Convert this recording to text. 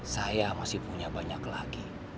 saya masih punya banyak lagi